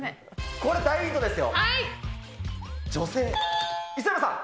これ、大ヒントですよ。